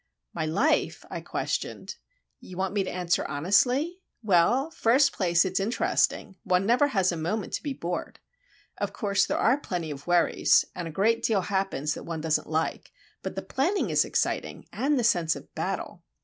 "My life?" I questioned. "You want me to answer honestly? Well, first place, it's interesting; one never has a moment to be bored. Of course, there are plenty of worries, and a good deal happens that one doesn't like; but the planning is exciting, and the sense of battle.